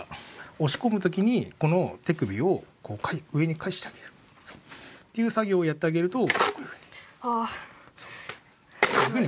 押し込む時にこの手首を上に返してあげる。っていう作業をやってあげるとこういうふうに。